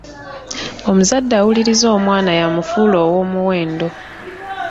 Omuzadde awuliriza omwana y’amufuula ow’omuwendo.